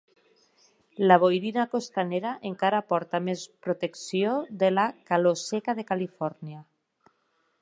La boirina costanera encara porta més protecció de la calor seca de Califòrnia.